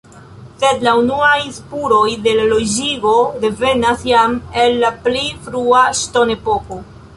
Sed la unuaj spuroj de la loĝigo devenas jam el la pli frua ŝtonepoko.